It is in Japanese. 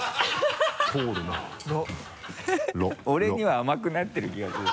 俺には甘くなってる気がする。